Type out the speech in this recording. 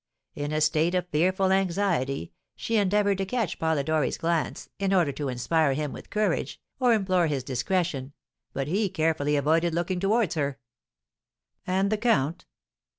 In a state of fearful anxiety, she endeavoured to catch Polidori's glance, in order to inspire him with courage, or implore his discretion, but he carefully avoided looking towards her." "And the count?"